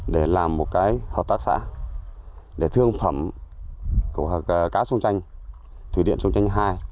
để làm một hợp tác xã để thương phẩm cá sông tranh thủy điện sông tranh hai